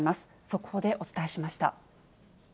速報でお伝えしました。